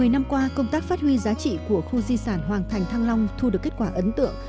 một mươi năm qua công tác phát huy giá trị của khu di sản hoàng thành thăng long thu được kết quả ấn tượng